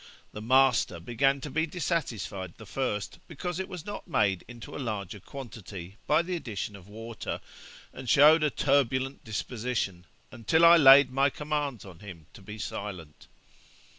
The master began to be dissatisfied the first, because it was not made into a larger quantity by the addition of water, and showed a turbulent disposition, until I laid my commands on him to be silent.'